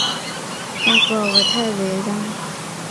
拉弗尔泰维当。